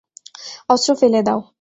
অস্ত্র ফেলে দাও।